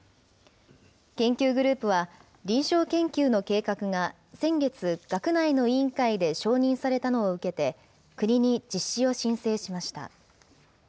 研究グループは、臨床研究の計画が先月、学内の委員会で承認されたのを受けて、国に実施を申請しました。